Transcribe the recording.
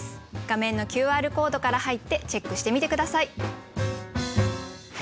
画面のＱＲコードから入ってチェックしてみて下さい。